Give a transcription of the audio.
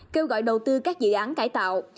kêu gọi đầu tư các dự án cải tạo